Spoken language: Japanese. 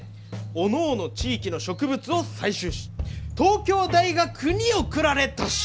地域の植物を採集し東京大学に送られたし！」。